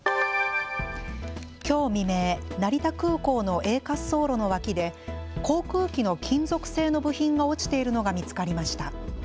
きょう未明、成田空港のＡ滑走路の脇で航空機の金属製の部品が落ちているのが見つかりました。